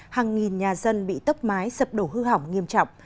hàng nghìn nhà dân bị tốc mái sập đổ hư hỏng nghiêm trọng